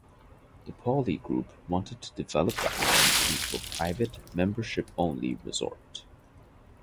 The Pauley group wanted to develop the island into a private, membership only resort.